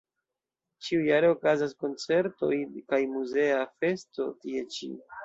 Ĉiujare okazas koncertoj kaj muzea festo tie ĉi.